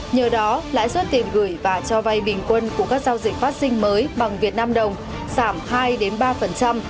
nhờ đó lãi suất tiền gửi và cho vay bình quân của các giao dịch phát sinh mới bằng việt nam đồng giảm hai ba